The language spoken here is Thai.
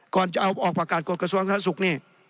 ก่อนจะออกประกาศกดกระทรวงศาสตร์ศุกร์นี่